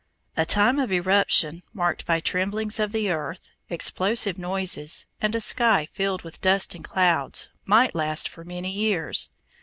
A time of eruption, marked by tremblings of the earth, explosive noises, and a sky filled with dust and clouds, might last for many years.